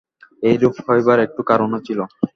এইরূপ হইবার একটু কারণও ছিল।